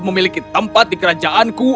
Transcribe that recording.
memiliki tempat di kerajaanku